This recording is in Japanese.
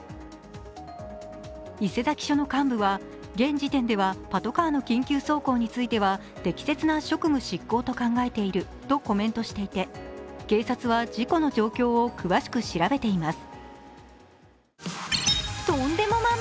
伊勢崎署の幹部は現時点でパトカーの緊急走行については、適切な職務執行と考えているとコメントしていて、警察は事故の状況を詳しく調べています。